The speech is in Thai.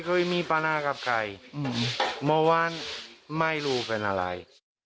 ไม่เคยมีปลาหน้ากลับใกล้เมื่อวานไม่รู้เป็นอะไร